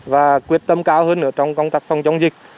và quyết tâm cao hơn nữa trong công tác phòng chống dịch